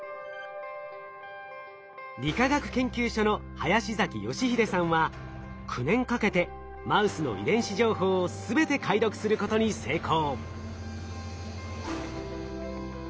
理化学研究所の林崎良英さんは９年かけてマウスの遺伝子情報を全て解読することに成功。